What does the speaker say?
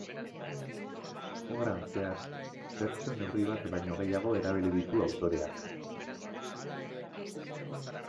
Obran zehar, bertso-neurri bat baino gehiago erabili ditu autoreak.